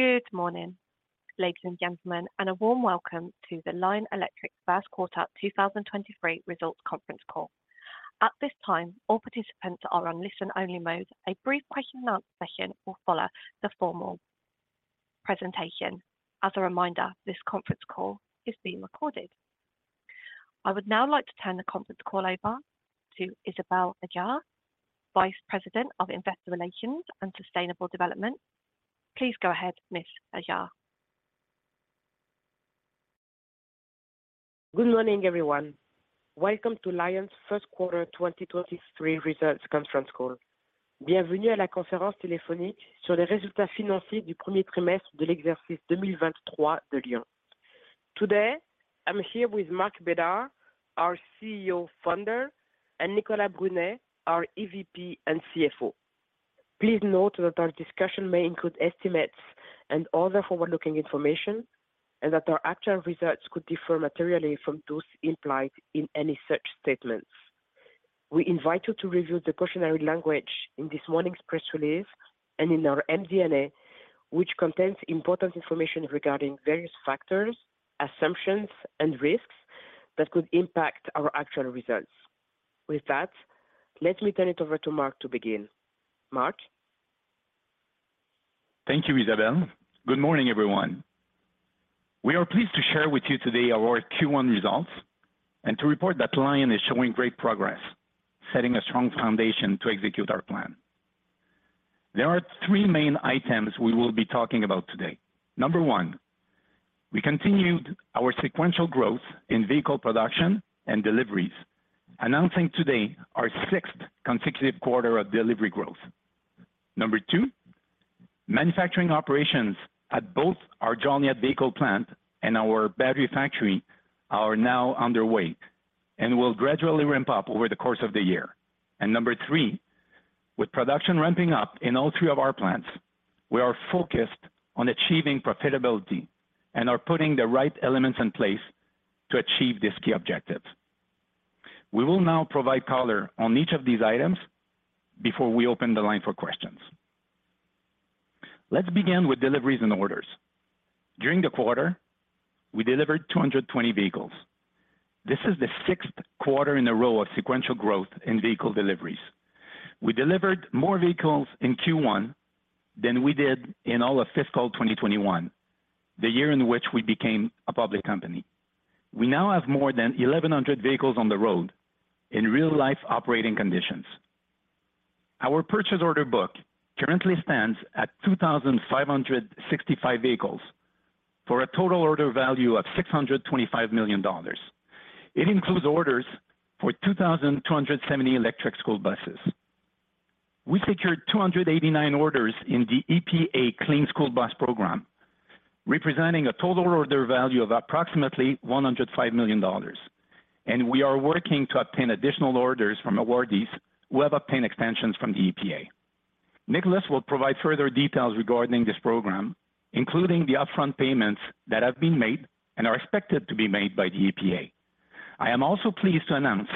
Good morning, ladies and gentlemen, and a warm welcome to the Lion Electric first quarter 2023 results conference call. At this time, all participants are on listen-only mode. A brief question and answer session will follow the formal presentation. As a reminder, this conference call is being recorded. I would now like to turn the conference call over to Isabelle Adjahi, Vice President of Investor Relations and Sustainable Development. Please go ahead, Ms. Adjahi. Good morning, everyone. Welcome to Lion's first quarter 2023 results conference call. Today, I'm here with Marc Bédard, our CEO founder, and Nicolas Brunet, our EVP and CFO. Please note that our discussion may include estimates and other forward-looking information and that our actual results could differ materially from those implied in any such statements. We invite you to review the cautionary language in this morning's press release and in our MD&A which contains important information regarding various factors, assumptions, and risks that could impact our actual results. With that, let me turn it over to Marc to begin. Marc? Thank you, Isabelle. Good morning, everyone. We are pleased to share with you today our Q1 results and to report that Lion is showing great progress, setting a strong foundation to execute our plan. There are three main items we will be talking about today. Number one, we continued our sequential growth in vehicle production and deliveries, announcing today our 6th consecutive quarter of delivery growth. Number two, manufacturing operations at both our Joliet vehicle plant and our battery factory are now underway and will gradually ramp up over the course of the year. Number three, with production ramping up in all three of our plants, we are focused on achieving profitability and are putting the right elements in place to achieve this key objective. We will now provide color on each of these items before we open the line for questions. Let's begin with deliveries and orders. During the quarter, we delivered 220 vehicles. This is the sixth quarter in a row of sequential growth in vehicle deliveries. We delivered more vehicles in Q1 than we did in all of fiscal 2021, the year in which we became a public company. We now have more than 1,100 vehicles on the road in real-life operating conditions. Our purchase order book currently stands at 2,565 vehicles for a total order value of $625 million. It includes orders for 2,270 electric school buses. We secured 289 orders in the EPA Clean School Bus Program, representing a total order value of approximately $105 million, and we are working to obtain additional orders from awardees who have obtained extensions from the EPA. Nicolas will provide further details regarding this program, including the upfront payments that have been made and are expected to be made by the EPA. I am also pleased to announce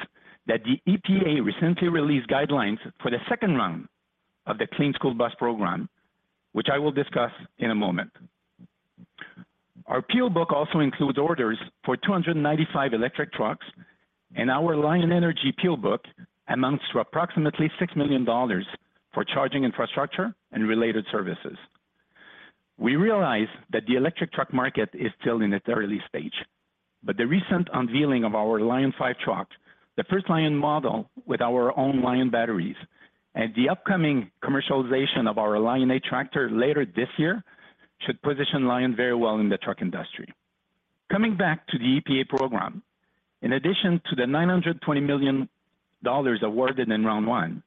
that the EPA recently released guidelines for the second round of the Clean School Bus Program, which I will discuss in a moment. Our order book also includes orders for 295 electric trucks, and our Lion Energy order book amounts to approximately $6 million for charging infrastructure and related services. We realize that the electric truck market is still in its early stage, but the recent unveiling of our Lion5 truck, the first Lion model with our own LionBattery, and the upcoming commercialization of our LionA tractor later this year should position Lion very well in the truck industry. Coming back to the EPA program. In addition to the $920 million awarded in round 1,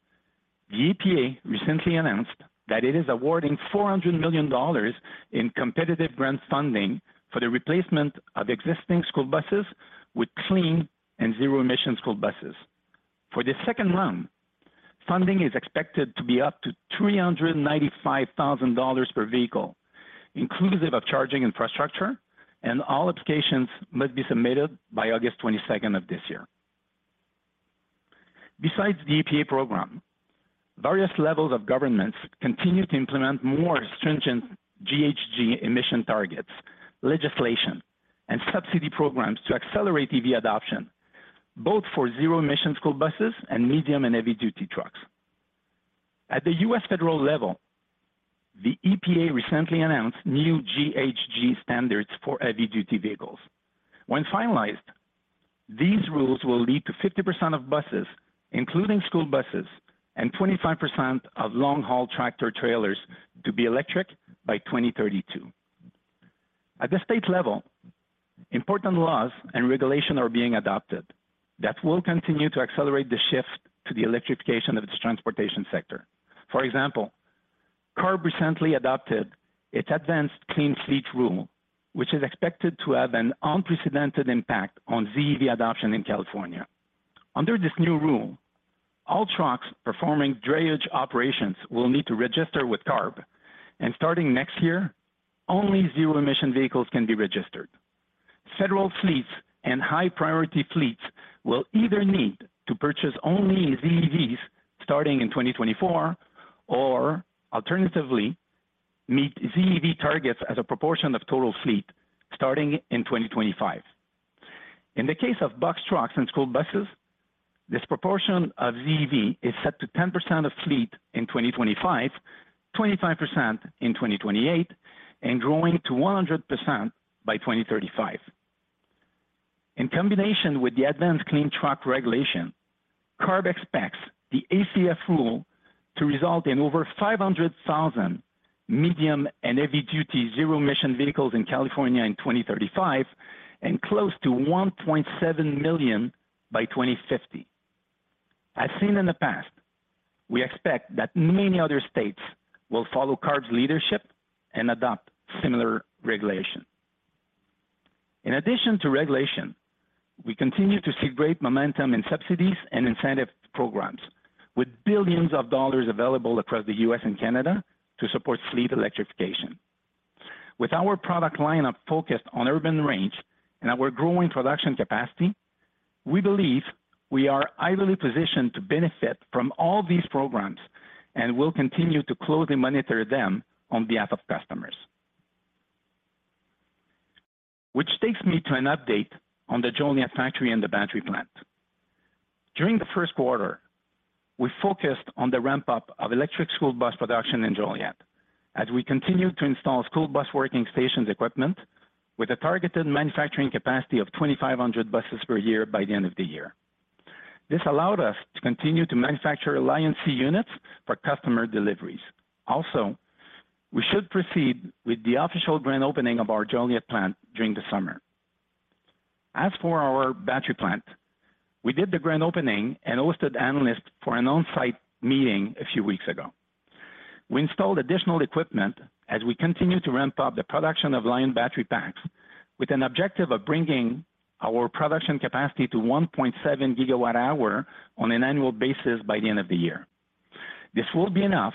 the EPA recently announced that it is awarding $400 million in competitive grant funding for the replacement of existing school buses with clean and zero-emission school buses. For the second round, funding is expected to be up to $395,000 per vehicle, inclusive of charging infrastructure, and all applications must be submitted by August 22nd of this year. Besides the EPA program, various levels of governments continue to implement more stringent GHG emission targets, legislation, and subsidy programs to accelerate EV adoption, both for zero-emission school buses and medium and heavy-duty trucks. At the U.S. federal level, the EPA recently announced new GHG standards for heavy-duty vehicles. When finalized, these rules will lead to 50% of buses, including school buses, and 25% of long-haul tractor-trailers to be electric by 2032. At the state level, important laws and regulations are being adopted that will continue to accelerate the shift to the electrification of its transportation sector. For example, CARB recently adopted its Advanced Clean Fleet rule, which is expected to have an unprecedented impact on ZEV adoption in California. Under this new rule, all trucks performing drayage operations will need to register with CARB, starting next year, only zero-emission vehicles can be registered. Federal fleets and high priority fleets will either need to purchase only ZEVs starting in 2024, or alternatively, meet ZEV targets as a proportion of total fleet starting in 2025. In the case of box trucks and school buses, this proportion of ZEV is set to 10% of fleet in 2025, 25% in 2028, and growing to 100% by 2035. In combination with the Advanced Clean Truck regulation, CARB expects the ACF rule to result in over 500,000 medium and heavy duty zero emission vehicles in California in 2035, and close to 1.7 million by 2050. As seen in the past, we expect that many other states will follow CARB's leadership and adopt similar regulation. In addition to regulation, we continue to see great momentum in subsidies and incentive programs, with billions of dollars available across the U.S. and Canada to support fleet electrification. With our product lineup focused on urban range and our growing production capacity, we believe we are ideally positioned to benefit from all these programs, and will continue to closely monitor them on behalf of customers. Takes me to an update on the Joliet factory and the battery plant. During the first quarter, we focused on the ramp-up of electric school bus production in Joliet as we continued to install school bus working stations equipment with a targeted manufacturing capacity of 2,500 buses per year by the end of the year. This allowed us to continue to manufacture LionC units for customer deliveries. We should proceed with the official grand opening of our Joliet plant during the summer. For our battery plant, we did the grand opening and hosted analysts for an on-site meeting a few weeks ago. We installed additional equipment as we continue to ramp up the production of LionBattery packs with an objective of bringing our production capacity to 1.7 GWh on an annual basis by the end of the year. This will be enough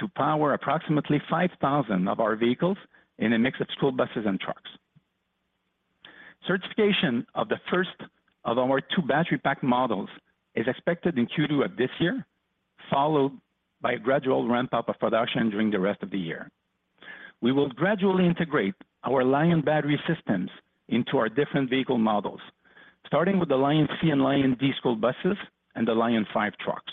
to power approximately 5,000 of our vehicles in a mix of school buses and trucks. Certification of the first of our two battery pack models is expected in Q2 of this year, followed by a gradual ramp-up of production during the rest of the year. We will gradually integrate our Lion battery systems into our different vehicle models, starting with the LionC and LionD school buses and the Lion5 trucks.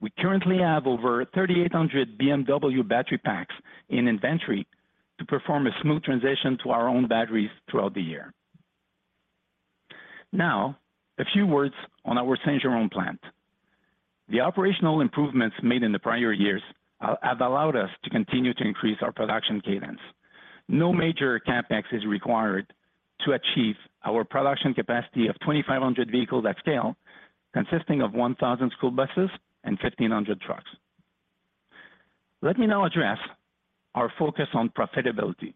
We currently have over 3,800 BMW battery packs in inventory to perform a smooth transition to our own batteries throughout the year. Now, a few words on our Saint-Jérôme plant. The operational improvements made in the prior years have allowed us to continue to increase our production cadence. No major CapEx is required to achieve our production capacity of 2,500 vehicles at scale, consisting of 1,000 school buses and 1,500 trucks. Let me now address our focus on profitability.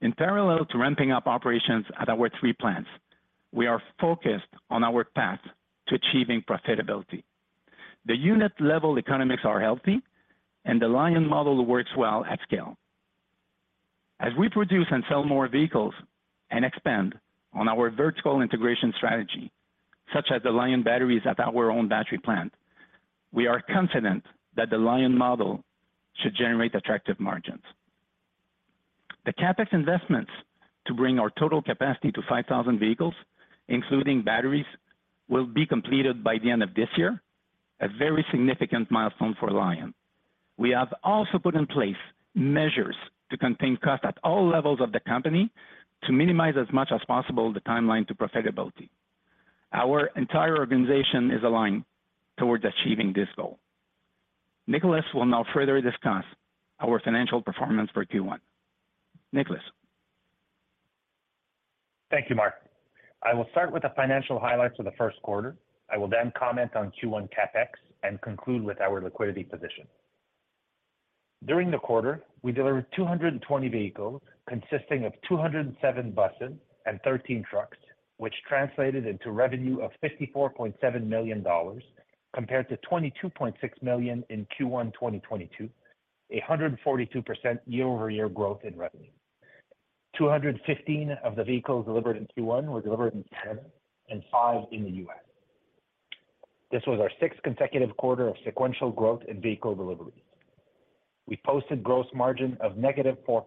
In parallel to ramping up operations at our three plants, we are focused on our path to achieving profitability. The unit level economics are healthy, and the Lion model works well at scale. As we produce and sell more vehicles and expand on our vertical integration strategy, such as the Lion batteries at our own battery plant, we are confident that the Lion model should generate attractive margins. The CapEx investments to bring our total capacity to 5,000 vehicles, including batteries, will be completed by the end of this year, a very significant milestone for Lion. We have also put in place measures to contain cost at all levels of the company to minimize as much as possible the timeline to profitability. Our entire organization is aligned towards achieving this goal. Nicolas will now further discuss our financial performance for Q1. Nicolas. Thank you, Marc. I will start with the financial highlights of the first quarter. I will comment on Q1 CapEx and conclude with our liquidity position. During the quarter, we delivered 220 vehicles consisting of 207 buses and 13 trucks, which translated into revenue of $54.7 million compared to $22.6 million in Q1 2022, 142% year-over-year growth in revenue. 215 of the vehicles delivered in Q1 were delivered in Canada and five in the U.S. This was our sixth consecutive quarter of sequential growth in vehicle deliveries. We posted gross margin of negative 4%,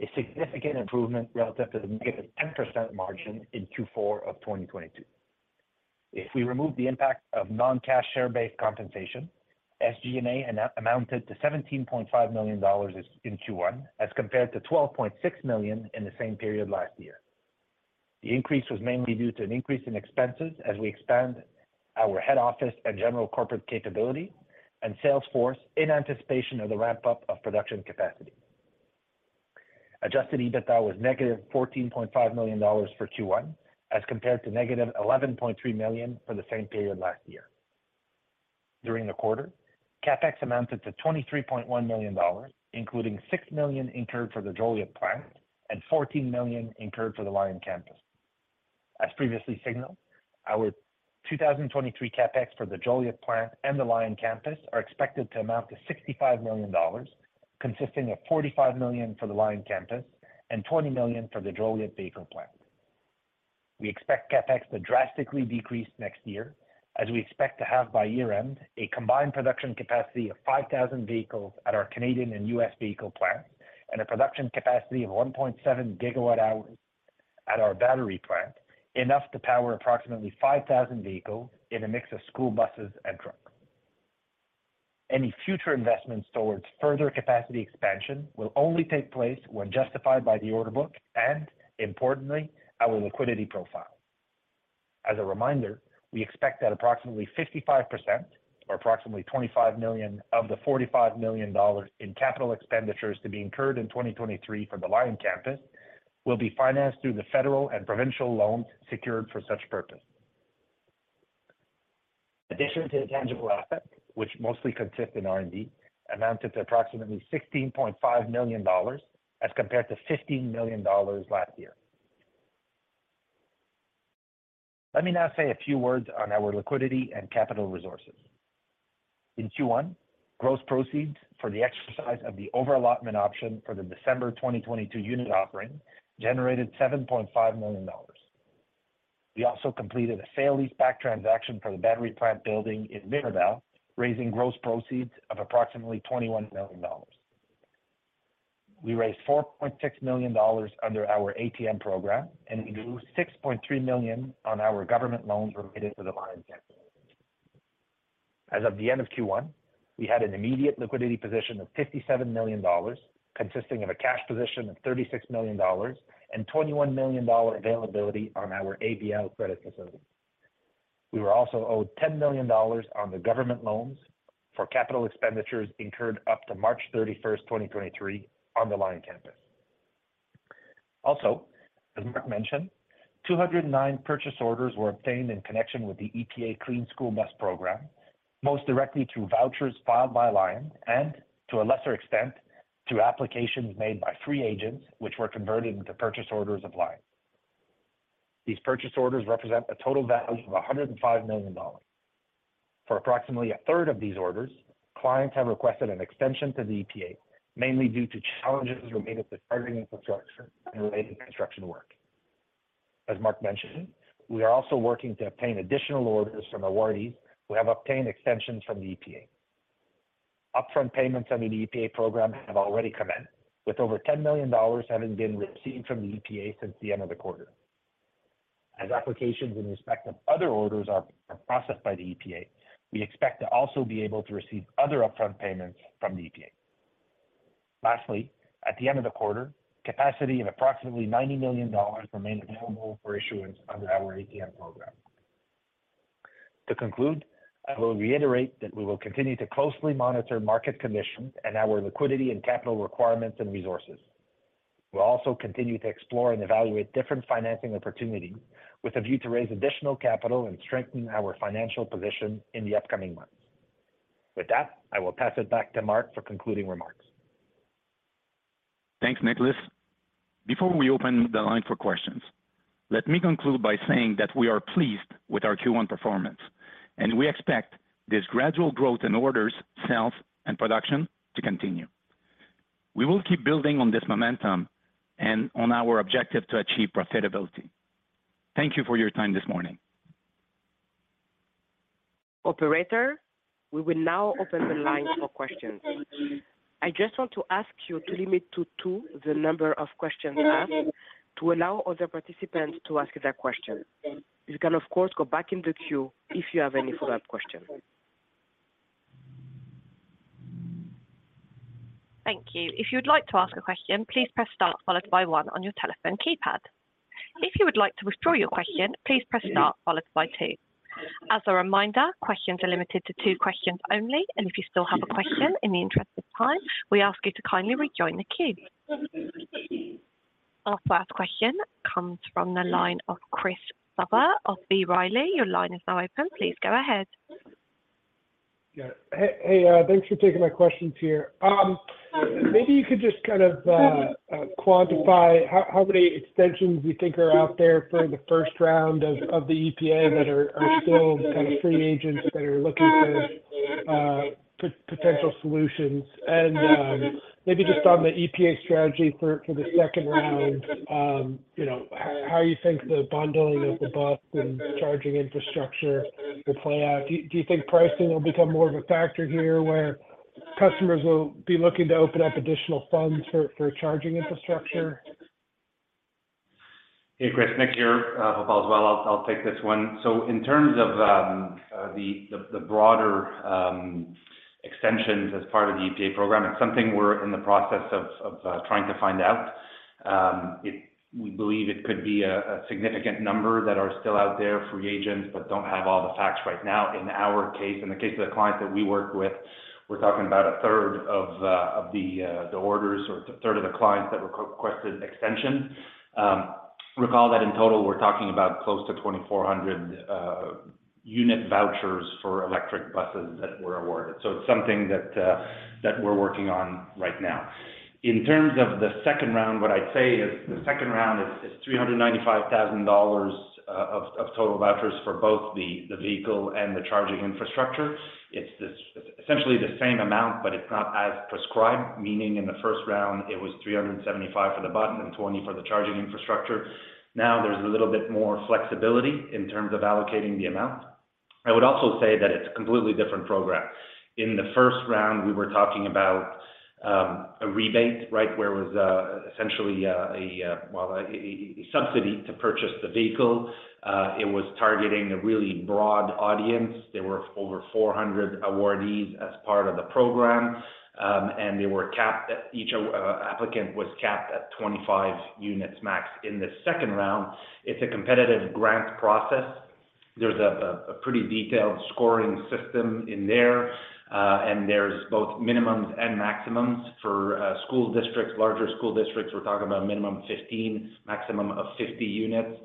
a significant improvement relative to the negative 10% margin in Q4 of 2022. If we remove the impact of non-cash share-based compensation, SG&A amounted to $17.5 million in Q1 as compared to $12.6 million in the same period last year. The increase was mainly due to an increase in expenses as we expand our head office and general corporate capability and sales force in anticipation of the ramp-up of production capacity. Adjusted EBITDA was negative $14.5 million for Q1 as compared to negative $11.3 million for the same period last year. During the quarter, CapEx amounted to $23.1 million, including $6 million incurred for the Joliet plant and $14 million incurred for the Lion campus. As previously signaled, our 2023 CapEx for the Joliet plant and the Lion campus are expected to amount to $65 million, consisting of $45 million for the Lion campus and $20 million for the Joliet vehicle plant. We expect CapEx to drastically decrease next year as we expect to have, by year-end, a combined production capacity of 5,000 vehicles at our Canadian and U.S. vehicle plant and a production capacity of 1.7 GWhs at our battery plant, enough to power approximately 5,000 vehicles in a mix of school buses and trucks. Any future investments towards further capacity expansion will only take place when justified by the order book and, importantly, our liquidity profile. As a reminder, we expect that approximately 55% or approximately $25 million of the $45 million in capital expenditures to be incurred in 2023 for the Lion campus will be financed through the federal and provincial loans secured for such purpose. Addition to the tangible assets, which mostly consist in R&D, amounted to approximately $16.5 million as compared to $15 million last year. Let me now say a few words on our liquidity and capital resources. In Q1, gross proceeds for the exercise of the overallotment option for the December 2022 unit offering generated $7.5 million. We also completed a sale leaseback transaction for the battery plant building in Mirabel, raising gross proceeds of approximately $21 million. We raised $4.6 million under our ATM program. We drew $6.3 million on our government loans related to the Lion campus. As of the end of Q1, we had an immediate liquidity position of $57 million, consisting of a cash position of $36 million and $21 million availability on our ABL credit facility. We were also owed $10 million on the government loans for capital expenditures incurred up to March 31, 2023 on the Lion campus. As Marc mentioned, 209 purchase orders were obtained in connection with the EPA Clean School Bus Program, most directly through vouchers filed by Lion and to a lesser extent, through applications made by free agents which were converted into purchase orders of Lion. These purchase orders represent a total value of $105 million. For approximately a third of these orders, clients have requested an extension to the EPA, mainly due to challenges related to charging infrastructure and related construction work. As Marc mentioned, we are also working to obtain additional orders from awardees who have obtained extensions from the EPA. Upfront payments under the EPA program have already come in, with over $10 million having been received from the EPA since the end of the quarter. As applications in respect of other orders are processed by the EPA, we expect to also be able to receive other upfront payments from the EPA. Lastly, at the end of the quarter, capacity of approximately $90 million remained available for issuance under our ATM program. To conclude, I will reiterate that we will continue to closely monitor market conditions and our liquidity and capital requirements and resources. We'll also continue to explore and evaluate different financing opportunities with a view to raise additional capital and strengthen our financial position in the upcoming months. With that, I will pass it back to Marc for concluding remarks. Thanks, Nicolas. Before we open the line for questions, let me conclude by saying that we are pleased with our Q1 performance. We expect this gradual growth in orders, sales, and production to continue. We will keep building on this momentum and on our objective to achieve profitability. Thank you for your time this morning. Operator, we will now open the line for questions. I just want to ask you to limit to two the number of questions asked to allow other participants to ask their question. You can of course, go back in the queue if you have any follow-up questions. Thank you. If you'd like to ask a question, please press star followed by one on your telephone keypad. If you would like to withdraw your question, please press star followed by two. As a reminder, questions are limited to two questions only. If you still have a question in the interest of time, we ask you to kindly rejoin the queue. Our first question comes from the line of Chris Souther of B. Riley. Your line is now open. Please go ahead. Yeah. hey, thanks for taking my questions here. maybe you could just kind of quantify how many extensions you think are out there for the first round of the EPA that are still kind of free agents that are looking for potential solutions. maybe just on the EPA strategy for the second round, you know, how you think the bundling of the bus and charging infrastructure will play out. Do you think pricing will become more of a factor here where customers will be looking to open up additional funds for charging infrastructure? Hey, Chris, Nick here, Hope as well. I'll take this one. In terms of the broader extensions as part of the EPA program, it's something we're in the process of trying to find out. We believe it could be a significant number that are still out there, free agents, but don't have all the facts right now. In our case, in the case of the clients that we work with, we're talking about a third of the orders or third of the clients that requested extension. Recall that in total, we're talking about close to 2,400 unit vouchers for electric buses that were awarded. It's something that we're working on right now. In terms of the second round, what I'd say is the second round is $395,000 of total vouchers for both the vehicle and the charging infrastructure. It's essentially the same amount, but it's not as prescribed, meaning in the first round, it was 375 for the button and 20 for the charging infrastructure. There's a little bit more flexibility in terms of allocating the amount. I would also say that it's a completely different program. In the first round, we were talking about a rebate, right, where it was essentially, well, a subsidy to purchase the vehicle. It was targeting a really broad audience. There were over 400 awardees as part of the program, and they were capped at each applicant was capped at 25 units max. In the second round, it's a competitive grant process. There's a pretty detailed scoring system in there, and there's both minimums and maximums. For school districts, larger school districts, we're talking about minimum of 15, maximum of 50 units.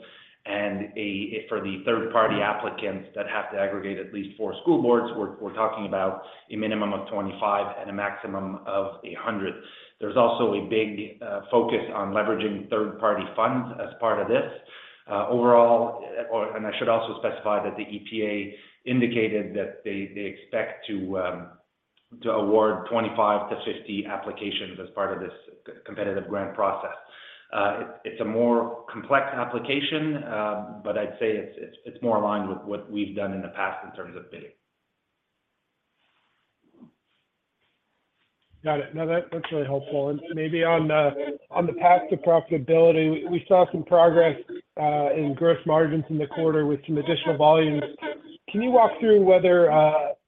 For the third-party applicants that have to aggregate at least four school boards, we're talking about a minimum of 25 and a maximum of 100. There's also a big focus on leveraging third-party funds as part of this. Overall, I should also specify that the EPA indicated that they expect to award 25 to 50 applications as part of this competitive grant process. It's a more complex application, but I'd say it's more aligned with what we've done in the past in terms of bidding. Got it. No, that's really helpful. Maybe on the, on the path to profitability, we saw some progress in gross margins in the quarter with some additional volumes. Can you walk through whether,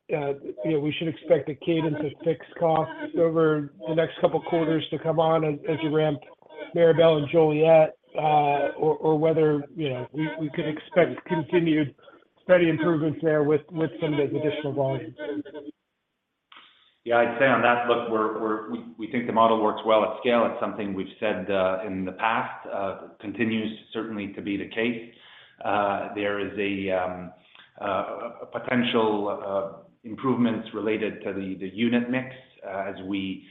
you know, we should expect a cadence of fixed costs over the next couple quarters to come on as you ramp Mirabel and Joliet, or whether, you know, we can expect continued steady improvements there with some of the additional volumes? I'd say on that, look, we think the model works well at scale. It's something we've said in the past, continues certainly to be the case. There is a potential improvements related to the unit mix, as we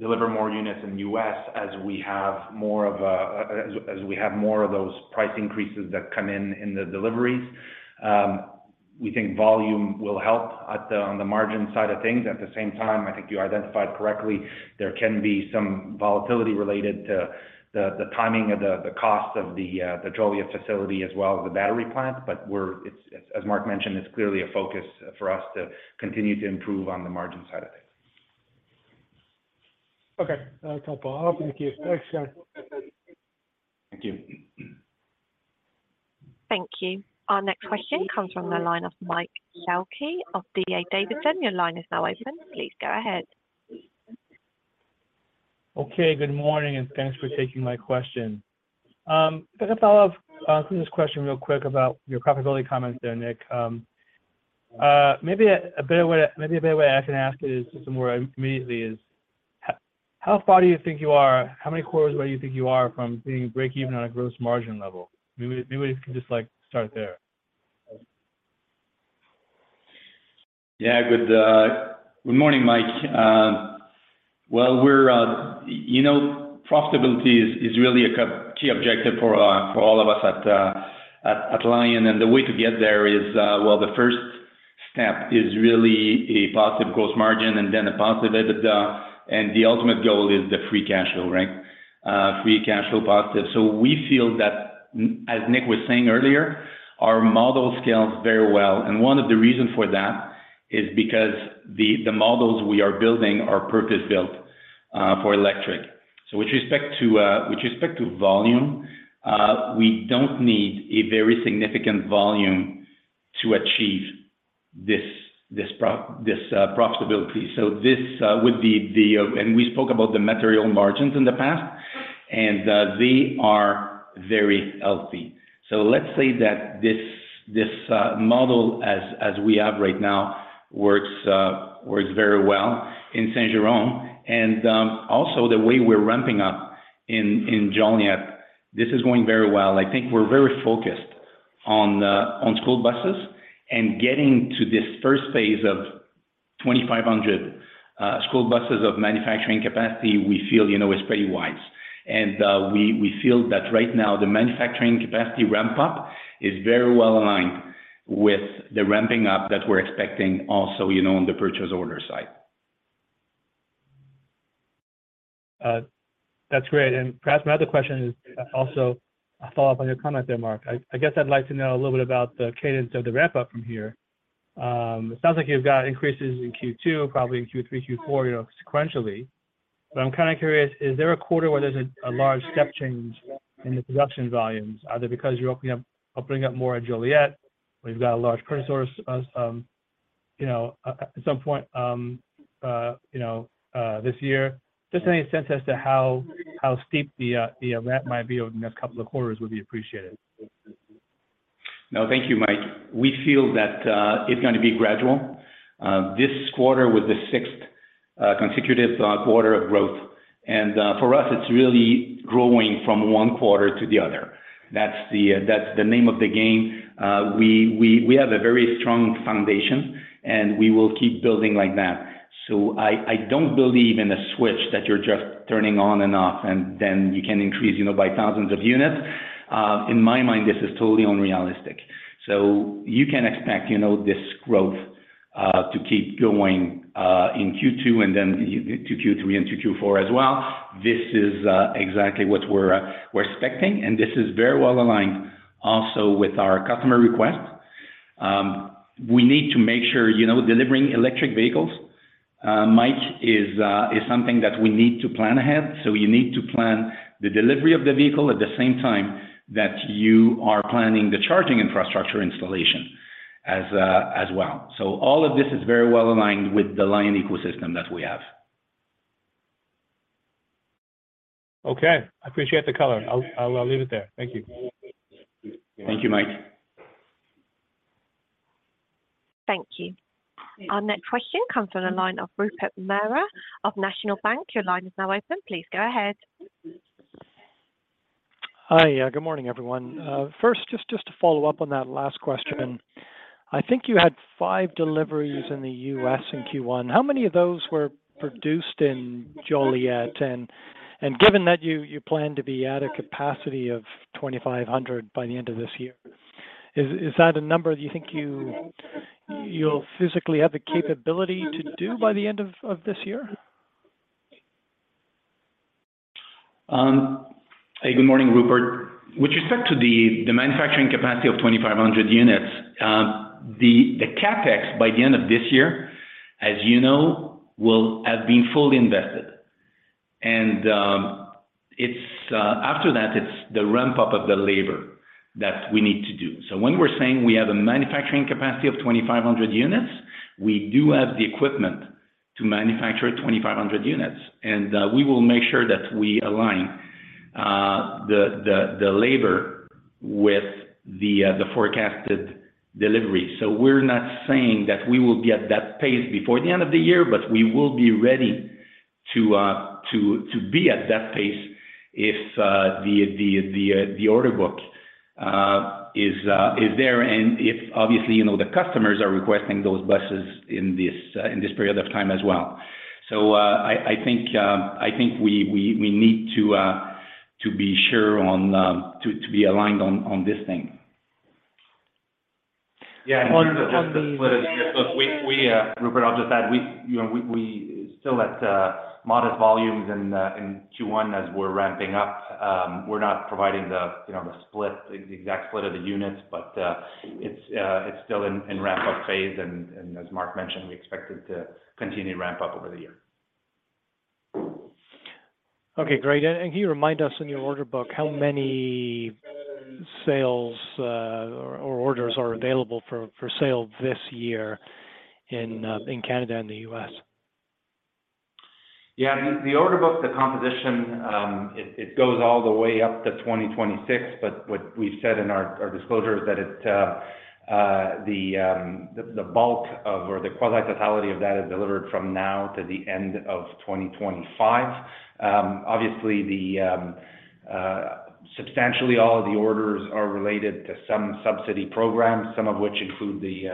deliver more units in US, as we have more of those price increases that come in in the deliveries. We think volume will help on the margin side of things. At the same time, I think you identified correctly, there can be some volatility related to the timing of the cost of the Joliet facility as well as the battery plant. It's as Marc mentioned, it's clearly a focus for us to continue to improve on the margin side of things. Okay. That'll help. Thank you. Thanks, guys. Thank you. Thank you. Our next question comes from the line of Michael Shlisky of D.A. Davidson. Your line is now open. Please go ahead. Okay. Good morning, thanks for taking my question. First, I'll follow up on this question real quick about your profitability comments there, Nick. Maybe a better way I can ask it is just more immediately is how far do you think you are? How many quarters away do you think you are from being breakeven on a gross margin level? Maybe we could just like start there. Good morning, Mike. Well, we're, you know, profitability is really a key objective for all of us at Lion. The way to get there is, well, the first step is really a positive gross margin and then a positive EBITDA, and the ultimate goal is the free cash flow, right? Free cash flow positive. We feel that, as Nick was saying earlier, our model scales very well. One of the reason for that is because the models we are building are purpose-built for electric. With respect to volume, we don't need a very significant volume to achieve this profitability. This would be the... We spoke about the material margins in the past, and they are very healthy. Let's say that this model as we have right now works very well in Saint-Jérôme. Also the way we're ramping up in Joliet, this is going very well. I think we're very focused on school buses and getting to this first phase of 2,500 school buses of manufacturing capacity, we feel, you know, is pretty wise. We feel that right now the manufacturing capacity ramp-up is very well aligned with the ramping up that we're expecting also, you know, on the purchase order side. That's great. Perhaps my other question is also a follow-up on your comment there, Marc. I guess I'd like to know a little bit about the cadence of the ramp-up from here. It sounds like you've got increases in Q2, probably in Q3, Q4, you know, sequentially. I'm kind of curious, is there a quarter where there's a large step change in the production volumes? Are they because you're opening up more at Joliet, or you've got a large purchase order, you know, at some point, you know, this year? Just any sense as to how steep the ramp might be over the next couple of quarters would be appreciated. Thank you, Mike. We feel that it's gonna be gradual. This quarter was the sixth consecutive quarter of growth, and for us, it's really growing from 1 quarter to the other. That's the name of the game. We have a very strong foundation, and we will keep building like that. I don't believe in a switch that you're just turning on and off, and then you can increase, you know, by thousands of units. In my mind, this is totally unrealistic. You can expect, you know, this growth to keep going in Q2, and then into Q3, into Q4 as well. This is exactly what we're expecting, and this is very well aligned also with our customer request. We need to make sure, you know, delivering electric vehicles, Mike, is something that we need to plan ahead. You need to plan the delivery of the vehicle at the same time that you are planning the charging infrastructure installation as well. All of this is very well aligned with the Lion ecosystem that we have. Okay. I appreciate the color. I'll leave it there. Thank you. Thank you, Mike. Thank you. Our next question comes from the line of Rupert Merer of National Bank. Your line is now open. Please go ahead. Hi. Yeah, good morning, everyone. First, just to follow up on that last question. I think you had five deliveries in the U.S. in Q1. How many of those were produced in Joliet? Given that you plan to be at a capacity of 2,500 by the end of this year, is that a number that you'll physically have the capability to do by the end of this year? Hey, good morning, Rupert. With respect to the manufacturing capacity of 2,500 units, the CapEx by the end of this year, as you know, will have been fully invested. It's after that, it's the ramp-up of the labor that we need to do. When we're saying we have a manufacturing capacity of 2,500 units, we do have the equipment to manufacture 2,500 units. We will make sure that we align the labor with the forecasted delivery. We're not saying that we will be at that pace before the end of the year, but we will be ready to be at that pace if the order book is there and if obviously, you know, the customers are requesting those buses in this period of time as well. I think we need to be sure on to be aligned on this thing. Yeah. Rupert, I'll just add, we, you know, we still at modest volumes in Q1 as we're ramping up. We're not providing the, you know, the split, the exact split of the units, but it's still in ramp-up phase. As Marc mentioned, we expect it to continue to ramp up over the year. Okay, great. Can you remind us in your order book how many sales or orders are available for sale this year in Canada and the U.S.? Yeah. The, the order book, the composition, it goes all the way up to 2026. What we've said in our disclosure is that it's the bulk of, or the quasi totality of that is delivered from now to the end of 2025. Obviously, substantially all of the orders are related to some subsidy programs, some of which include the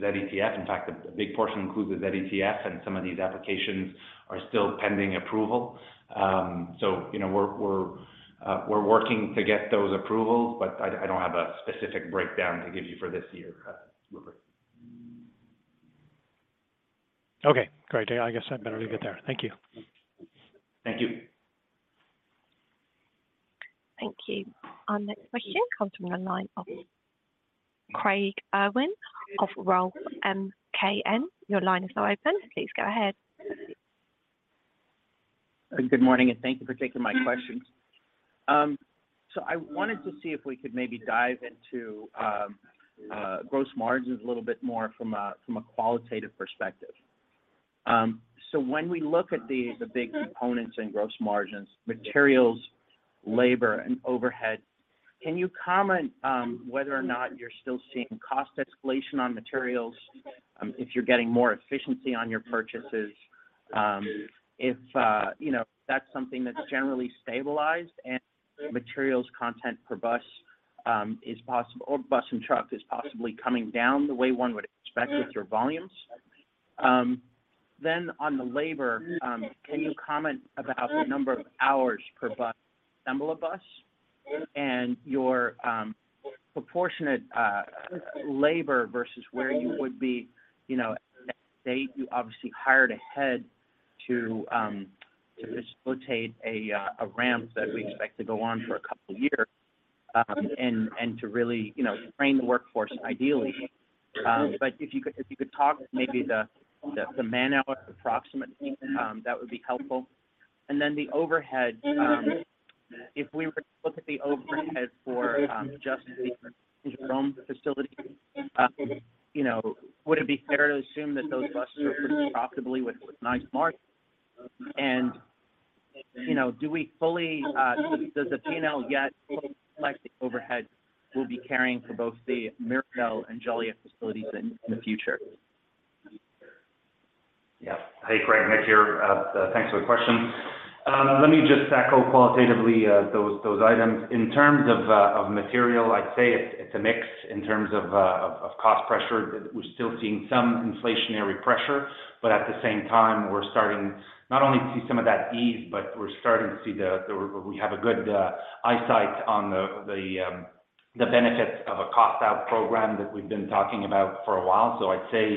ZETF. In fact, a big portion includes the ZETF, and some of these applications are still pending approval. You know, we're working to get those approvals, but I don't have a specific breakdown to give you for this year, Rupert. Okay, great. I guess I'd better leave it there. Thank you. Thank you. Thank you. Our next question comes from the line of Craig Irwin of Roth MKM. Your line is now open. Please go ahead. Good morning, thank you for taking my questions. I wanted to see if we could maybe dive into gross margins a little bit more from a qualitative perspective. When we look at the big components in gross margins, materials, labor, and overhead, can you comment whether or not you're still seeing cost escalation on materials, if you're getting more efficiency on your purchases, if, you know, that's something that's generally stabilized and materials content per bus, is possible or bus and truck is possibly coming down the way one would expect with your volumes? On the labor, can you comment about the number of hours per bus, assemble a bus and your proportionate labor versus where you would be, you know, next date, you obviously hired ahead to just rotate a ramp that we expect to go on for a couple of years, and to really, you know, train the workforce ideally. If you could, if you could talk maybe the man-hour approximately, that would be helpful. The overhead, if we were to look at the overhead for just the Saint-Jérôme facility, you know, would it be fair to assume that those buses are pretty profitably with nice margin? You know, do we fully, does the P&L yet reflect the overhead we'll be carrying for both the Mirabel and Joliet facilities in the future? Yeah. Hey Craig, Nick here. Thanks for the question. Let me just tackle qualitatively, those items. In terms of material, I'd say it's a mix in terms of cost pressure. We're still seeing some inflationary pressure, but at the same time, we're starting not only to see some of that ease, but we're starting to see. We have a good eyesight on the benefits of a cost out program that we've been talking about for a while. I'd say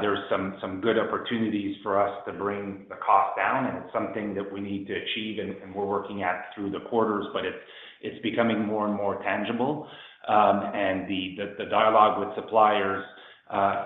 there's some good opportunities for us to bring the cost down, and it's something that we need to achieve and we're working at through the quarters. It's becoming more and more tangible. The dialogue with suppliers,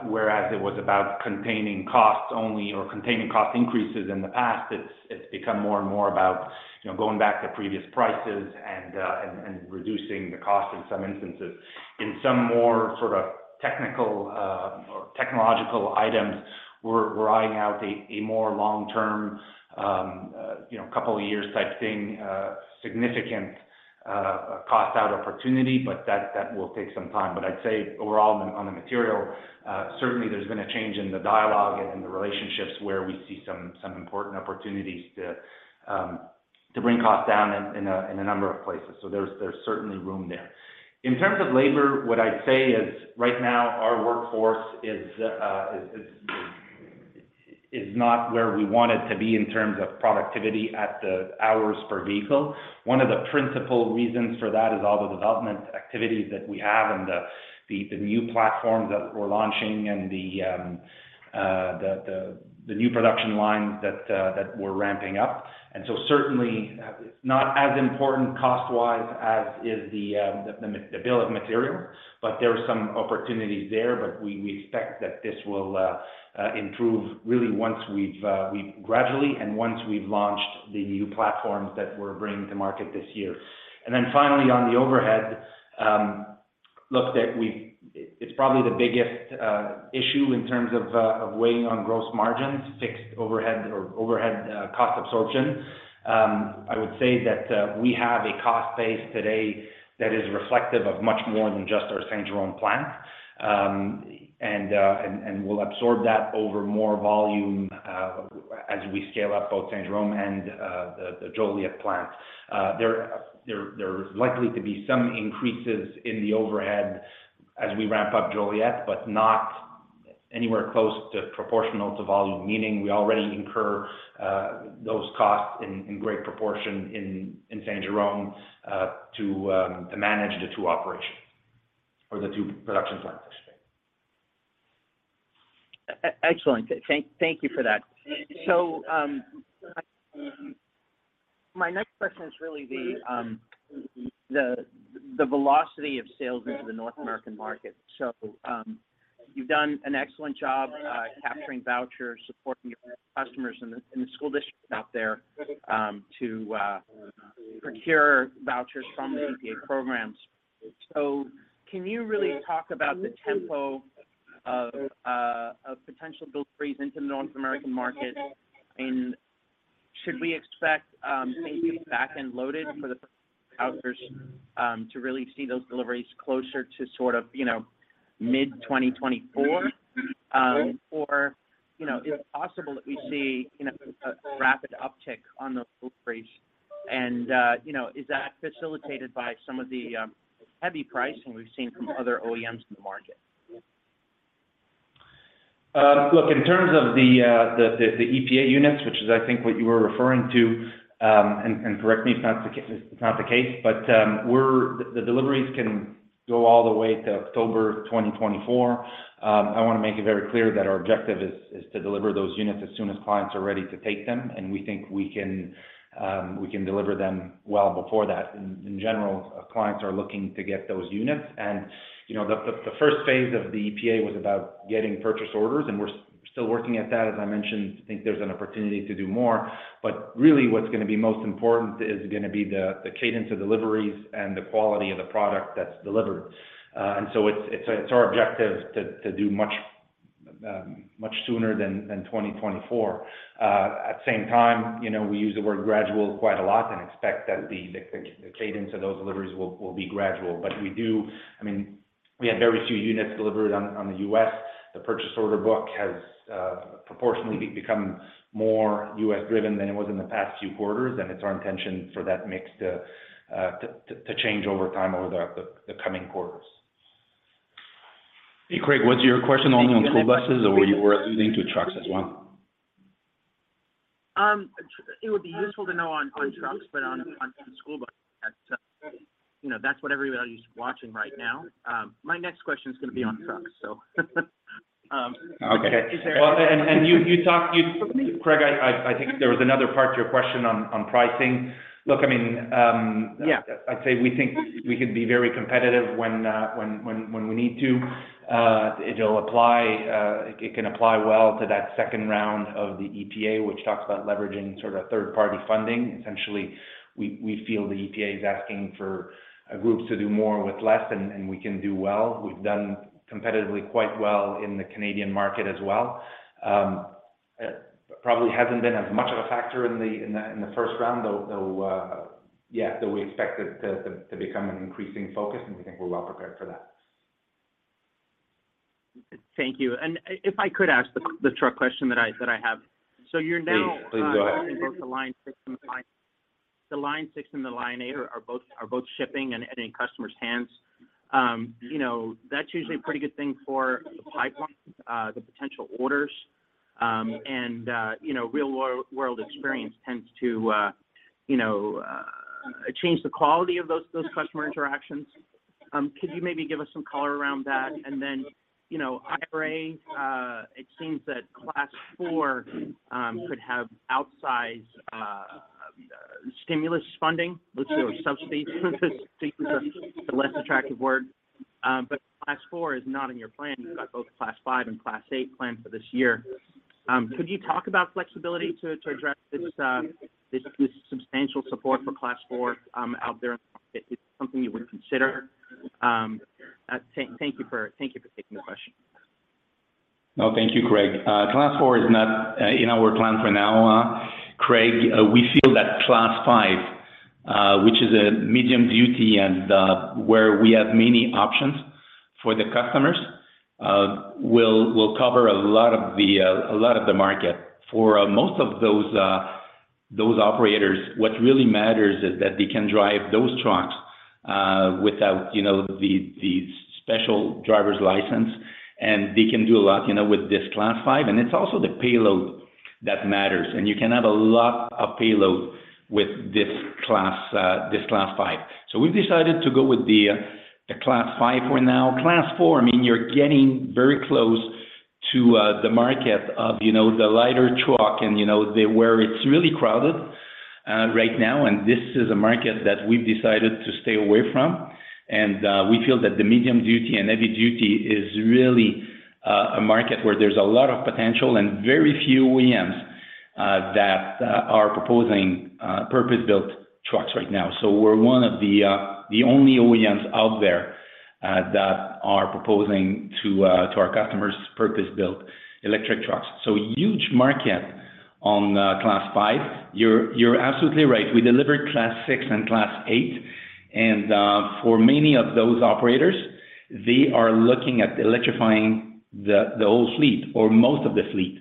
whereas it was about containing costs only or containing cost increases in the past, it's become more and more about, you know, going back to previous prices and reducing the cost in some instances. In some more sort of technical or technological items, we're eyeing out a more long-term, you know, couple of years type thing, significant cost out opportunity, but that will take some time. I'd say overall on the material, certainly there's been a change in the dialogue and in the relationships where we see some important opportunities to bring costs down in a number of places. There's certainly room there. In terms of labor, what I'd say is right now our workforce is not where we want it to be in terms of productivity at the hours per vehicle. One of the principal reasons for that is all the development activities that we have and the new platforms that we're launching and the new production lines that we're ramping up. Certainly it's not as important cost-wise as is the bill of material, but there are some opportunities there. We expect that this will improve really once we've gradually and once we've launched the new platforms that we're bringing to market this year. Finally on the overhead, look that we've... It, it's probably the biggest issue in terms of weighing on gross margins, fixed overhead or overhead, cost absorption. I would say that we have a cost base today that is reflective of much more than just our Saint-Jérôme plant. We'll absorb that over more volume as we scale up both Saint-Jérôme and the Joliet plant. There's likely to be some increases in the overhead as we ramp up Joliet, but not anywhere close to proportional to volume. Meaning we already incur those costs in great proportion in Saint-Jérôme to manage the two operations or the two production plants, excuse me. Excellent. Thank you for that. My next question is really the velocity of sales into the North American market. You've done an excellent job capturing vouchers, supporting your customers in the school districts out there to procure vouchers from the EPA programs. Can you really talk about the tempo of potential deliveries into the North American market? Should we expect maybe back-end loaded for the vouchers to really see those deliveries closer to sort of, you know, mid-2024? Is it possible that we see, you know, a rapid uptick on those deliveries? Is that facilitated by some of the heavy pricing we've seen from other OEMs in the market? Look, in terms of the EPA units, which is I think what you were referring to, and correct me if that's not the case, but, the deliveries can go all the way to October 2024. I wanna make it very clear that our objective is to deliver those units as soon as clients are ready to take them, and we think we can deliver them well before that. In general, clients are looking to get those units. You know, the first phase of the EPA was about getting purchase orders, and we're still working at that. As I mentioned, I think there's an opportunity to do more. Really what's gonna be most important is gonna be the cadence of deliveries and the quality of the product that's delivered. It's our objective to do much sooner than 2024. At the same time, you know, we use the word gradual quite a lot and expect that the cadence of those deliveries will be gradual. We do... I mean, we had very few units delivered on the U.S. The purchase order book has proportionately become more U.S. driven than it was in the past few quarters, and it's our intention for that mix to change over time over the coming quarters. Hey, Craig, was your question only on school buses, or were you alluding to trucks as well? It would be useful to know on trucks, but on school bus that's, you know, that's what everybody's watching right now. My next question is gonna be on trucks, so. Okay. Is there- Craig, I think there was another part to your question on pricing. Look, I mean, Yeah... I'd say we think we could be very competitive when we need to. It'll apply, it can apply well to that second round of the EPA, which talks about leveraging sort of third party funding. Essentially, we feel the EPA is asking for groups to do more with less, and we can do well. We've done competitively quite well in the Canadian market as well. It probably hasn't been as much of a factor in the first round, though, yeah. We expect it to become an increasing focus, and we think we're well prepared for that. Thank you. If I could ask the truck question that I have. You're now. Please go ahead. both the Lion6 and the Lion8 are both shipping and in customers' hands. You know, that's usually a pretty good thing for the pipeline, the potential orders. And, you know, real-world experience tends to, you know, change the quality of those customer interactions. Could you maybe give us some color around that? Then, you know, IRA, it seems that Class 4 could have outsized stimulus funding. Let's say subsidies is a less attractive word. But Class 4 is not in your plan. You've got both Class 5 and Class 8 planned for this year. Could you talk about flexibility to address this substantial support for Class 4 out there, if it's something you would consider? Thank you for taking the question. No, thank you, Craig. Class 4 is not in our plan for now, Craig. We feel that Class 5, which is a medium duty and where we have many options for the customers, will cover a lot of the market. For most of those operators, what really matters is that they can drive those trucks without, you know, the special driver's license, and they can do a lot, you know, with this Class 5, and it's also the payload that matters. You can have a lot of payload with this Class 5. We've decided to go with the Class 5 for now. Class 4, I mean, you're getting very close to the market of, you know, the lighter truck and where it's really crowded right now, and this is a market that we've decided to stay away from. We feel that the medium duty and heavy duty is really a market where there's a lot of potential and very few OEMs that are proposing purpose-built trucks right now. We're one of the only OEMs out there that are proposing to our customers purpose-built electric trucks. Huge market on Class 5. You're absolutely right. We delivered Class 6 and Class 8, and for many of those operators, they are looking at electrifying the whole fleet or most of the fleet.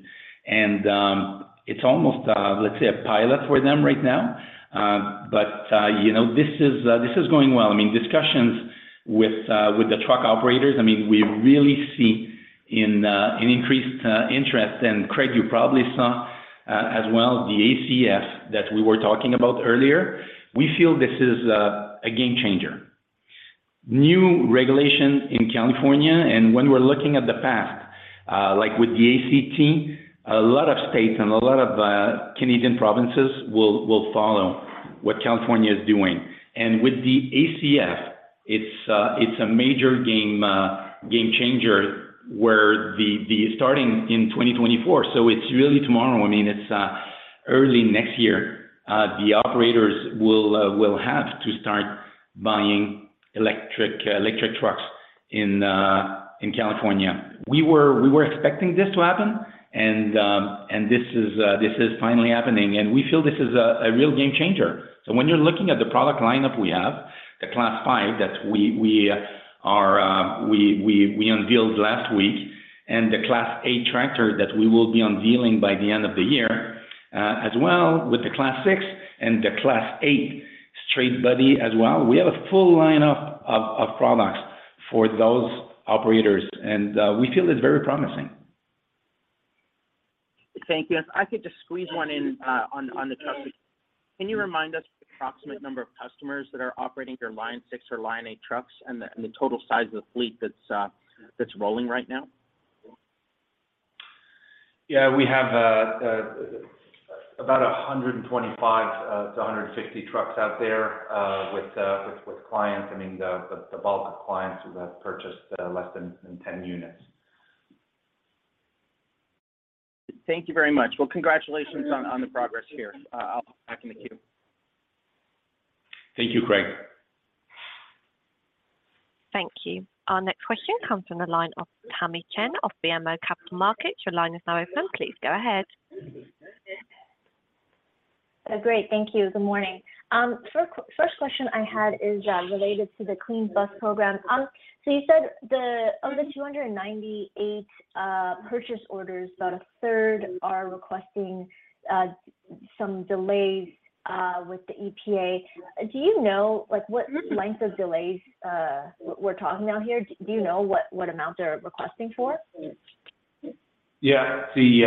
It's almost, let's say, a pilot for them right now. You know, this is going well. I mean, discussions with the truck operators, I mean, we really see an increased interest. Craig, you probably saw as well the ACF that we were talking about earlier. We feel this is a game changer. New regulation in California, when we're looking at the past, like with the ACT, a lot of states and a lot of Canadian provinces will follow what California is doing. With the ACF, it's a major game game changer, where the starting in 2024, so it's really tomorrow, I mean, it's early next year, the operators will have to start buying electric electric trucks in California. We were expecting this to happen, and this is finally happening. We feel this is a real game changer. When you're looking at the product lineup we have, the Class 5 that we are we unveiled last week and the Class 8 tractor that we will be unveiling by the end of the year as well with the Class 6 and the Class 8 straight body as well, we have a full lineup of products for those operators, and we feel it's very promising. Thank you. If I could just squeeze one in, on the truck. Can you remind us the approximate number of customers that are operating your Lion6 or Lion8 trucks and the total size of the fleet that's rolling right now? Yeah. We have about 125 to 160 trucks out there with clients. I mean, the bulk of clients who have purchased less than 10 units. Thank you very much. Well, congratulations on the progress here. I'll back in the queue. Thank you, Craig. Thank you. Our next question comes from the line of Tamy Chen of BMO Capital Markets. Your line is now open. Please go ahead. Great. Thank you. Good morning. First question I had is related to the Clean School Bus Program. Of the 298 purchase orders, about a third are requesting some delays with the EPA. Do you know, like, what length of delays we're talking out here? Do you know what amount they're requesting for? Yeah. The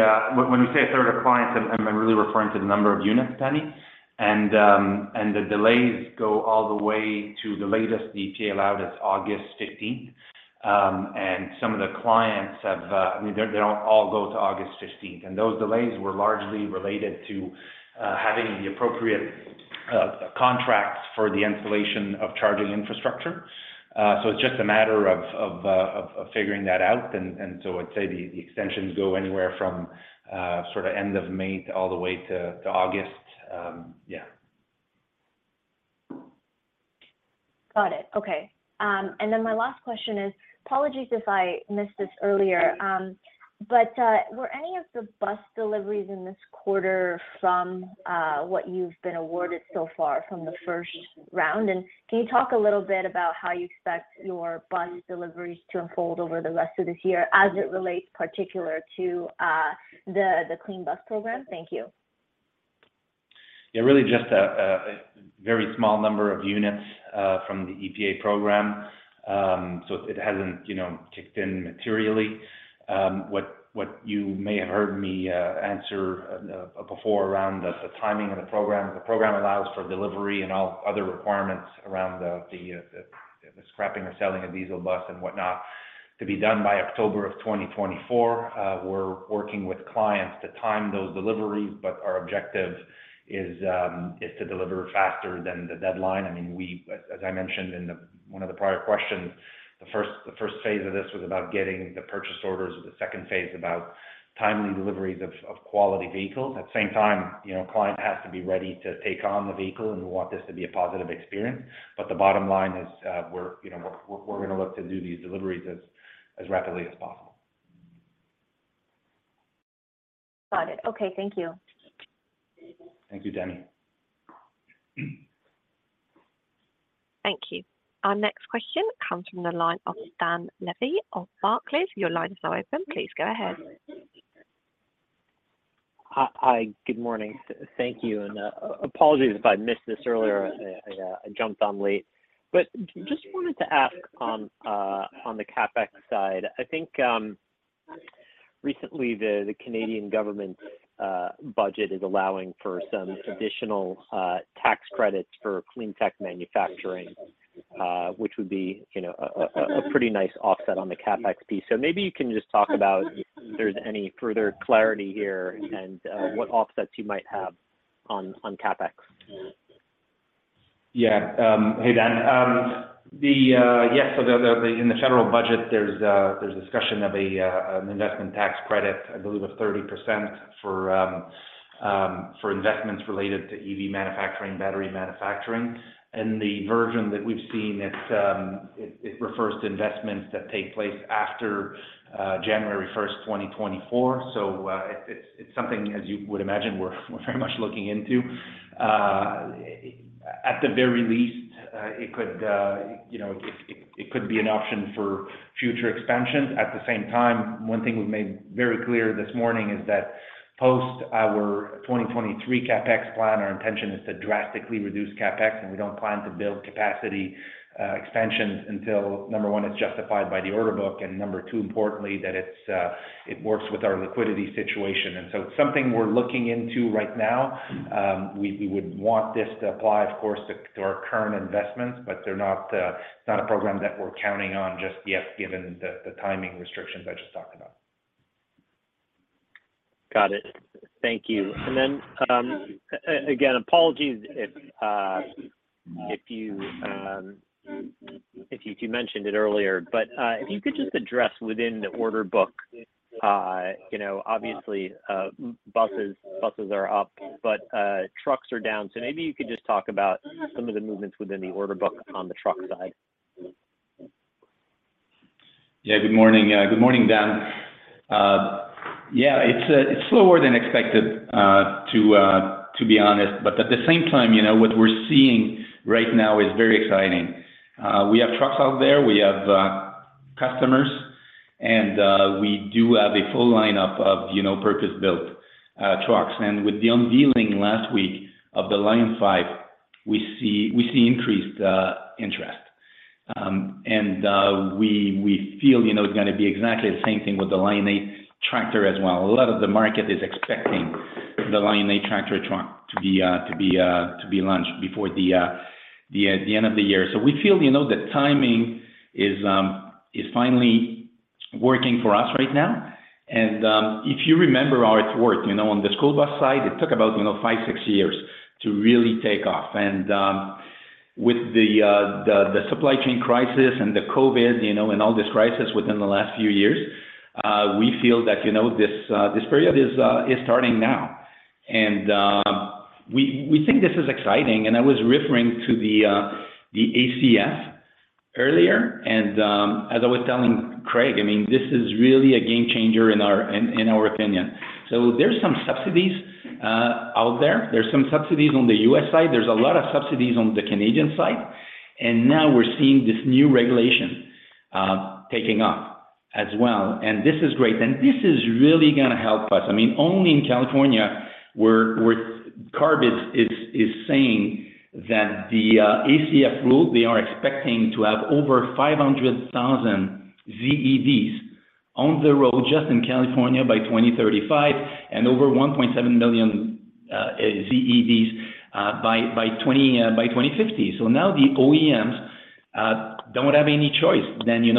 when we say a third of clients, I'm really referring to the number of units, Tamy Chen. The delays go all the way to the latest the EPA allowed is August fifteenth. Some of the clients have, I mean, they don't all go to August fifteenth. Those delays were largely related to having the appropriate contracts for the installation of charging infrastructure. So it's just a matter of figuring that out. I'd say the extensions go anywhere from sort of end of May to all the way to August. Yeah. Got it. Okay. My last question is, apologies if I missed this earlier, were any of the bus deliveries in this quarter from, what you've been awarded so far from the first round? Can you talk a little bit about how you expect your bus deliveries to unfold over the rest of this year as it relates particular to, the Clean School Bus Program? Thank you. Yeah, really just a very small number of units from the EPA program. It hasn't, you know, kicked in materially. What you may have heard me answer before around the timing of the program, the program allows for delivery and all other requirements around the scrapping or selling a diesel bus and whatnot to be done by October of 2024. We're working with clients to time those deliveries, but our objective is to deliver faster than the deadline. I mean, we, as I mentioned in the one of the prior questions, the first phase of this was about getting the purchase orders. The second phase about timely deliveries of quality vehicles. At the same time, you know, client has to be ready to take on the vehicle, and we want this to be a positive experience. The bottom line is, we're, you know, we're going to look to do these deliveries as rapidly as possible. Got it. Okay. Thank you. Thank you, Tamy. Thank you. Our next question comes from the line of Dan Levy of Barclays. Your line is now open. Please go ahead. Hi. Good morning. Thank you. Apologies if I missed this earlier. I jumped on late. Just wanted to ask on the CapEx side. I think recently the Canadian government budget is allowing for some additional tax credits for clean tech manufacturing, which would be, you know, a pretty nice offset on the CapEx piece. Maybe you can just talk about if there's any further clarity here and what offsets you might have on CapEx. Yeah. hey, Dan. yes, so the in the federal budget, there's discussion of a, an investment tax credit, I believe of 30% for investments related to EV manufacturing, battery manufacturing. The version that we've seen, it refers to investments that take place after, January 1, 2024. It's something as you would imagine, we're very much looking into. at the very least, it could, you know, it could be an option for future expansions. At the same time, one thing we've made very clear this morning is that post our 2023 CapEx plan, our intention is to drastically reduce CapEx, and we don't plan to build capacity expansions until number one, it's justified by the order book, and number two, importantly, that it's, it works with our liquidity situation. It's something we're looking into right now. We would want this to apply, of course, to our current investments, but they're not, it's not a program that we're counting on just yet given the timing restrictions I just talked about. Got it. Thank you. Again, apologies if you mentioned it earlier, but if you could just address within the order book, you know, obviously, buses are up, but trucks are down. Maybe you could just talk about some of the movements within the order book on the truck side. Yeah. Good morning. Good morning, Dan. Yeah, it's slower than expected to be honest. At the same time, you know, what we're seeing right now is very exciting. We have trucks out there. We have customers and we do have a full lineup of, you know, purpose-built trucks. With the unveiling last week of the Lion5, we see increased interest. We, we feel, you know, it's gonna be exactly the same thing with the LionA tractor as well. A lot of the market is expecting the LionA tractor truck to be launched before the end of the year. We feel, you know, the timing is finally working for us right now. If you remember how it worked, you know, on the school bus side, it took about, you know, 5, 6 years to really take off. With the supply chain crisis and the COVID, you know, and all this crisis within the last few years, we feel that, you know, this period is starting now. We think this is exciting. I was referring to the ACF earlier. As I was telling Craig, I mean, this is really a game changer in our opinion. There's some subsidies out there. There's some subsidies on the U.S. side. There's a lot of subsidies on the Canadian side. Now we're seeing this new regulation taking off as well. This is great. This is really gonna help us. I mean, only in California where CARB is saying that the ACF rule, they are expecting to have over 500,000 ZEVs on the road just in California by 2035 and over 1.7 million ZEVs by 2050. Now the OEMs don't have any choice than, you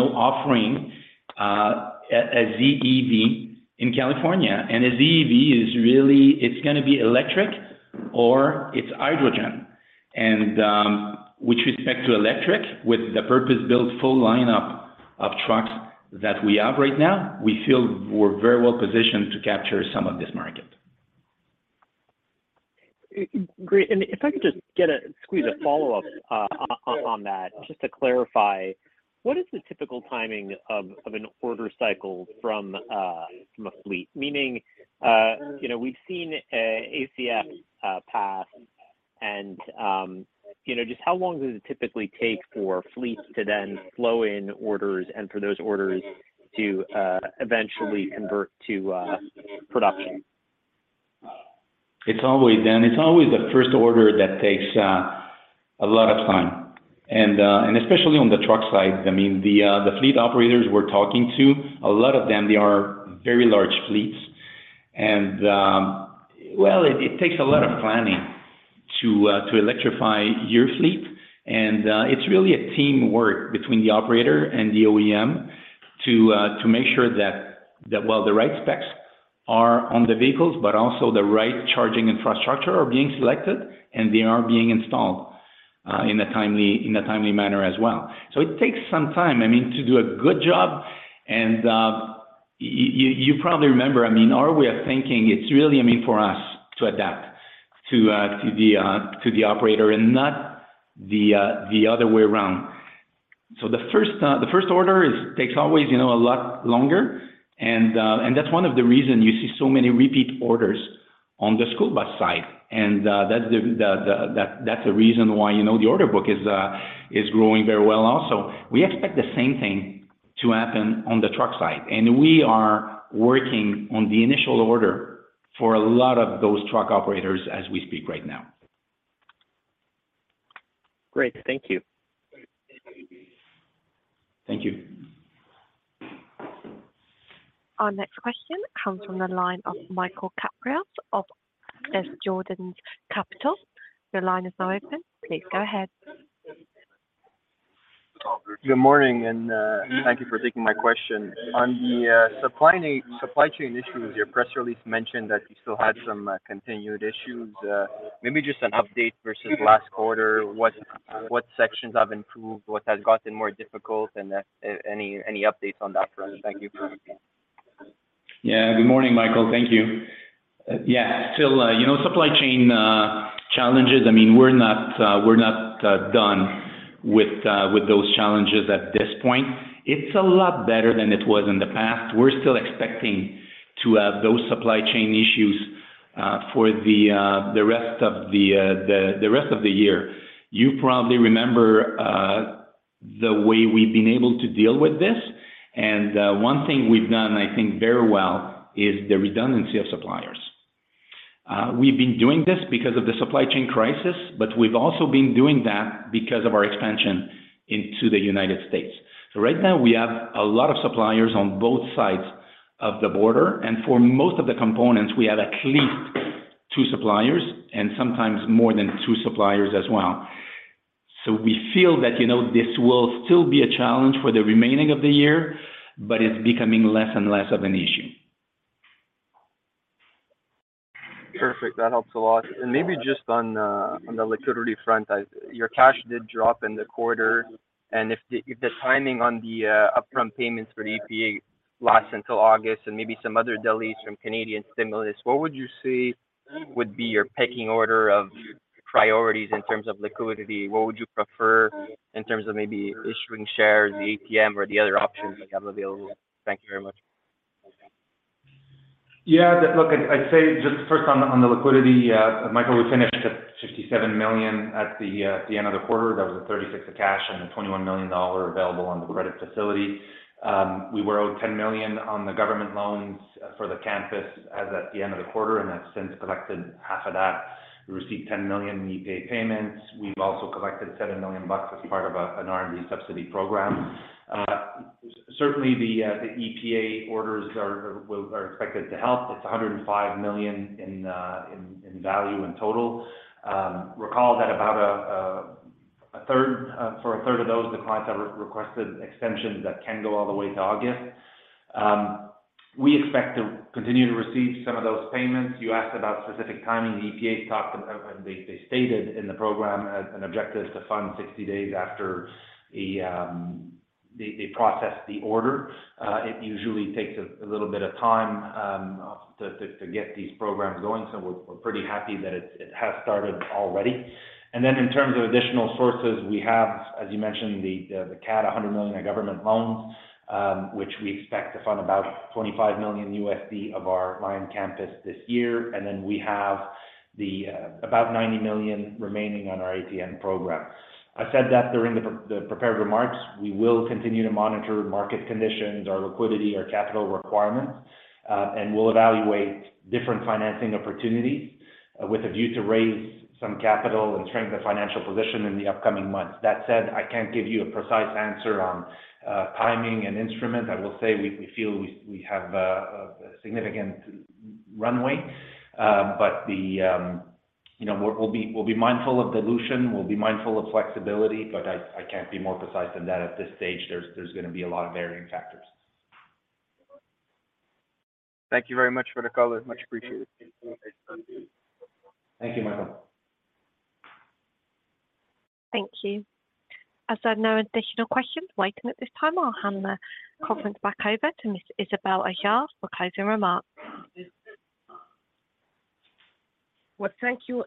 know, offering a ZEV in California. A ZEV is really, it's gonna be electric or it's hydrogen. With respect to electric, with the purpose-built full lineup of trucks that we have right now, we feel we're very well positioned to capture some of this market. Great. If I could just get a, squeeze a follow-up, on that just to clarify, what is the typical timing of an order cycle from a fleet? Meaning, you know, we've seen, ACF, pass and, you know, just how long does it typically take for fleets to then flow in orders and for those orders to, eventually convert to, production? It's always then, it's always the first order that takes a lot of time and especially on the truck side. I mean, the fleet operators we're talking to, a lot of them, they are very large fleets. Well, it takes a lot of planning to electrify your fleet. It's really a teamwork between the operator and the OEM to make sure that while the right specs are on the vehicles, but also the right charging infrastructure are being selected and they are being installed in a timely manner as well. It takes some time, I mean, to do a good job. You probably remember, I mean, our way of thinking it's really, I mean, for us to adapt to the operator and not the other way around. The first order is takes always, you know, a lot longer. That's one of the reason you see so many repeat orders on the school bus side. That's the reason why, you know, the order book is growing very well also. We expect the same thing to happen on the truck side, and we are working on the initial order for a lot of those truck operators as we speak right now. Great. Thank you. Thank you. Our next question comes from the line of Michael Kypreos of Desjardins Capital. Your line is now open. Please go ahead. Good morning, and thank you for taking my question. On the supply chain issues, your press release mentioned that you still had some continued issues. Maybe just an update versus last quarter, what sections have improved, what has gotten more difficult, and any updates on that front? Thank you for everything. Yeah. Good morning, Michael. Thank you. Yeah, still, you know, supply chain challenges. I mean, we're not done with those challenges at this point. It's a lot better than it was in the past. We're still expecting to have those supply chain issues for the rest of the year. You probably remember the way we've been able to deal with this. One thing we've done, I think very well, is the redundancy of suppliers. We've been doing this because of the supply chain crisis, but we've also been doing that because of our expansion into the United States. Right now we have a lot of suppliers on both sides of the border, and for most of the components, we have at least two suppliers and sometimes more than two suppliers as well. We feel that, you know, this will still be a challenge for the remaining of the year, but it's becoming less and less of an issue. Perfect. That helps a lot. Maybe just on the liquidity front, your cash did drop in the quarter, and if the, if the timing on the upfront payments for the EPA lasts until August and maybe some other delays from Canadian stimulus, what would you say would be your pecking order of priorities in terms of liquidity? What would you prefer in terms of maybe issuing shares in the ATM or the other options that you have available? Thank you very much. Look, I'd say just first on the liquidity, Michael, we finished at $67 million at the end of the quarter. That was $36 million of cash and $21 million available on the credit facility. We were owed $10 million on the government loans for the campus as at the end of the quarter, and have since collected half of that. We received $10 million in EPA payments. We've also collected $7 million as part of an R&D subsidy program. Certainly the EPA orders are expected to help. It's $105 million in value in total. Recall that about a third for a third of those, the clients have re-requested extensions that can go all the way to August. We expect to continue to receive some of those payments. You asked about specific timing. The EPA talked, and they stated in the program as an objective to fund 60 days after they process the order. It usually takes a little bit of time to get these programs going, so we're pretty happy that it has started already. In terms of additional sources, we have, as you mentioned, the CAD 100 million in government loans, which we expect to fund about $25 million of our Lion Campus this year. We have about $90 million remaining on our ATM program. I said that during the prepared remarks. We will continue to monitor market conditions, our liquidity, our capital requirements. We'll evaluate different financing opportunities with a view to raise some capital and strengthen the financial position in the upcoming months. That said, I can't give you a precise answer on timing and instrument. I will say we feel we have a significant runway. You know, we'll be mindful of dilution, we'll be mindful of flexibility, but I can't be more precise than that at this stage. There's gonna be a lot of varying factors. Thank you very much for the call. It's much appreciated. Thank you, Michael. Thank you. As there are no additional questions waiting at this time, I'll hand the conference back over to Ms. Isabelle Adjahi for closing remarks. Well, thank you.